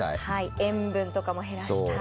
塩分とかも減らしたい。